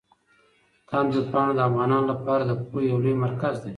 تاند ویبپاڼه د افغانانو لپاره د پوهې يو لوی مرکز دی.